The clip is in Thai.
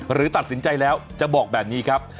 หรือตัดสินใจแล้วจะบอกแบบนี้ครับ